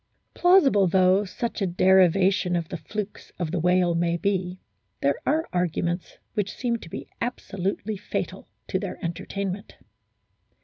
Plausible though such a derivation of the flukes of the whale may be, there are arguments which seem to be absolutely fatal to their entertainment.